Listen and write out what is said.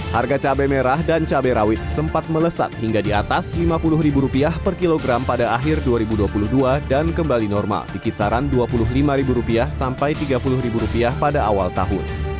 harga cabai merah dan cabai rawit sempat melesat hingga di atas rp lima puluh per kilogram pada akhir dua ribu dua puluh dua dan kembali normal di kisaran rp dua puluh lima sampai rp tiga puluh pada awal tahun